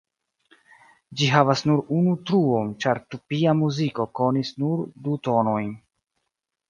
Ĝi havas nur unu truon ĉar tupia muziko konis nur du tonojn.